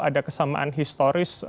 ada kesamaan historis